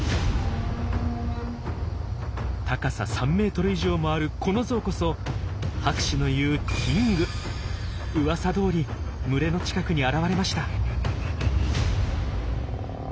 高さ３ｍ以上もあるこのゾウこそ博士の言ううわさどおり群れの近くに現れました。